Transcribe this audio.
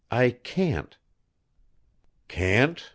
I can't." "Can't?